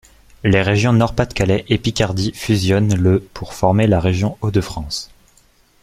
Les régions Nord-Pas-de-Calais et Picardie fusionnent le pour former la région Hauts-de-France.